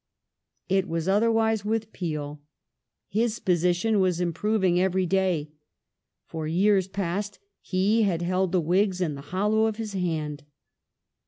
It was otherwise with Peel. His position was improving every day. For years past he had held the Whigs in the hollow of his hand.